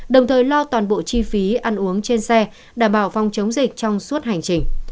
đồng thời lo toàn bộ chi phí ăn uống trên xe đảm bảo phòng chống dịch trong suốt hành trình